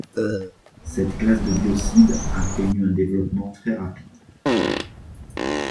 Cette classe de biocide a connu un développement très rapide.